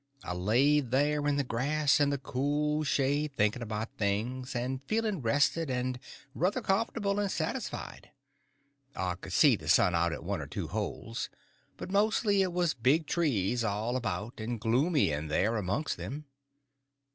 I laid there in the grass and the cool shade thinking about things, and feeling rested and ruther comfortable and satisfied. I could see the sun out at one or two holes, but mostly it was big trees all about, and gloomy in there amongst them.